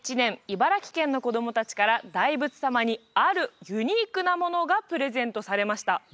茨城県の子供達から大仏様にあるユニークなものがプレゼントされました